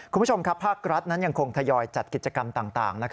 คุณผู้ชมครับภาครัฐนั้นยังคงทยอยจัดกิจกรรมต่าง